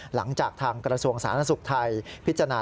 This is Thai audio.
หลังจากทางกระทรวงสาธารณสุขไทยพิจารณา